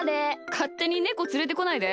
かってにネコつれてこないで。